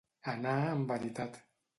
Anar amb veritat.